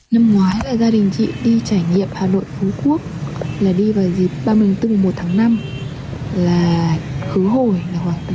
năm ngoái là gia đình chị đi trải nghiệm hà nội phú quốc là đi vào dịp ba mươi bốn một tháng năm là khứ hồi khoảng tám triệu